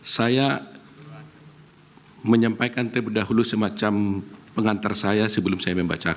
saya menyampaikan terlebih dahulu semacam pengantar saya sebelum saya membaca